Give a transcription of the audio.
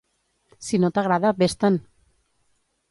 Si no t'agrada, vés-te'n!